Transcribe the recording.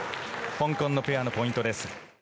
香港のペアのポイントです。